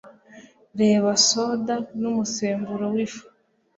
Reba “Soda n’Umusemburo w’ifu,”